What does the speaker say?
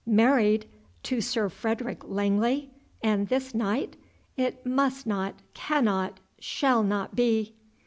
"Married? to Sir Frederick Langley? and this night? It must not cannot shall not be."